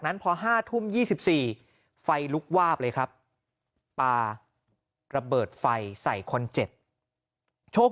นั้นพอ๕ทุ่ม๒๔ไฟลุกวาบเลยครับปลาระเบิดไฟใส่คนเจ็บโชค